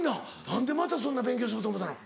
何でまたそんな勉強しようと思ったの？